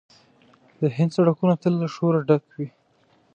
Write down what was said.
د هند سړکونه تل له شوره ډک وي.